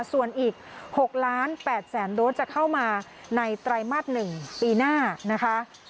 ส่วนอีก๖ล้าน๘แสนโดสจะเข้ามาในไตรมาส๑ปีหน้านะคะ